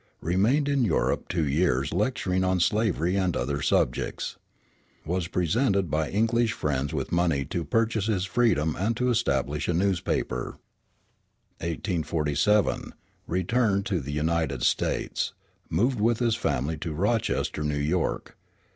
Remained in Europe two years, lecturing on slavery and other subjects. Was presented by English friends with money to purchase his freedom and to establish a newspaper. 1847 Returned to the United States. Moved with his family to Rochester, New York.